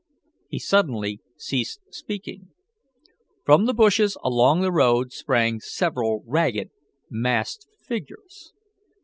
He suddenly ceased speaking. From the bushes along the road sprang several ragged, masked figures.